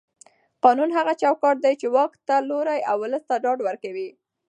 قانون هغه چوکاټ دی چې واک ته لوری او ولس ته ډاډ ورکوي